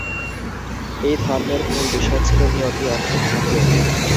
এই ধর্মের মূল বিষয় ছিল "নিয়তি" অর্থাৎ "ভাগ্য"।